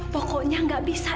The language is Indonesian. pokoknya gak bisa